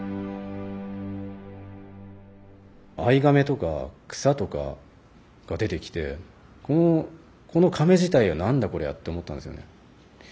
藍甕とか草とかが出てきてこの甕自体が何だこりゃって思ったんですよね。